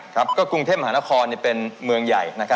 ครับก็กรุงเทพมหานครเป็นเมืองใหญ่